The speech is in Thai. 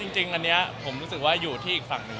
จริงอันนี้ผมรู้สึกว่าอยู่ที่อีกฝั่งหนึ่ง